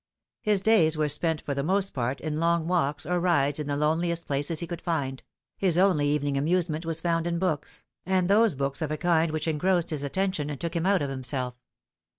His days were spent for the most part in long walks or rides in the lone liest places he could find, his only evening amusement was found in books, and those books of a kind which engrossed his attention and took him out of himself.